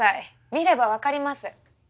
見ればわかります。